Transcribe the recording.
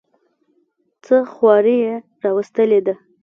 څه خواري یې راوستلې ده.